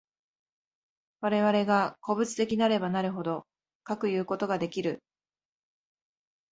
我々が個物的なればなるほど、かくいうことができる。